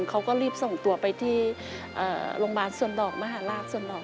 เขาก็รีบส่งตัวไปที่โรงพยาบาลส่วนดอกมหาลาบส่วนดอก